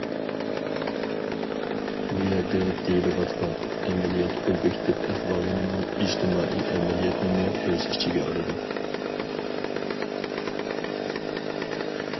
بۇ يەردە دېيىلىۋاتقان‹‹ ئەمەلىيەت›› ئوبيېكتىپ ئەھۋالنىمۇ، ئىجتىمائىي ئەمەلىيەتنىمۇ ئۆز ئىچىگە ئالىدۇ.